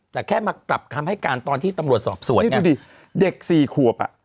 แต่แค่มากลับคำให้การตอนที่ตำรวจสอบสวนเนี่ยเด็กสี่ขวบอ่ะ